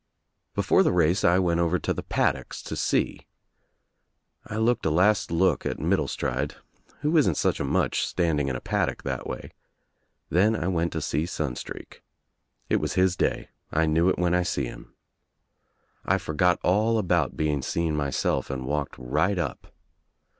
Before the race I went over to the paddocks to see. I looked a last look at Middlestride, who isn't such a much standing in a paddock that way, then I went to see Sunstreak. It was his day. I knew when I see him. I forgot all about being seen myself and walked right up.